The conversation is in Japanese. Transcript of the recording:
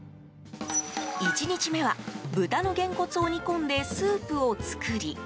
１日目は、豚のゲンコツを煮込んでスープを作り。